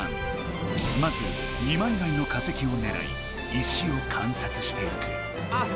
まず二枚貝の化石をねらい石をかんさつしていく。